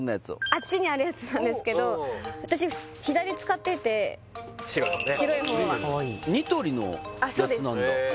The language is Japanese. あっちにあるやつなんですけど私左使っていて白い方ね白い方はニトリのやつなんだあっ